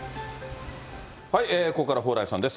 ここからは蓬莱さんです。